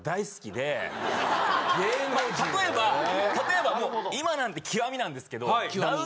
例えば例えばもう今なんて極みなんですけど。